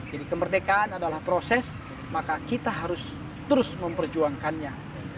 jadi kemerdekaan adalah proses maka kita harus terus memperjuangkannya